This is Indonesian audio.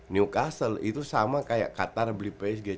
newcastle itu sama kayak qatar beli psg